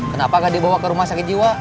kenapa gak dibawa ke rumah sakit jiwa